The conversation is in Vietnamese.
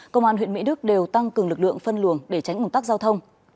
công an huyện mỹ đức đều tăng cường lực lượng phân luồng để tránh ủn tắc giao thông